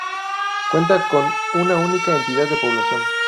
Cuenta con una única entidad de población.